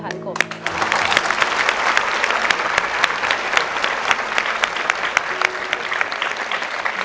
ชื่นใจแทนพี่กบด้วยค่ะพี่กบ